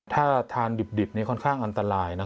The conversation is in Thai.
ถ้าทานดิบค่อนข้างอันตราย